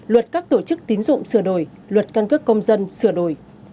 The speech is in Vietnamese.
luật các tổ chức tín dụng sửa đổi luật căn cước công dân sửa đổi